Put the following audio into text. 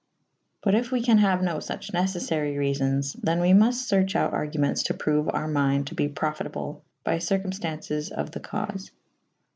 But if we can haue no fuche neceffary reafons / than we mufte ferche out argumentes to proue our mynde to be profytable by circu«fta;2ces of the caufe.